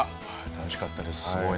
楽しかったです。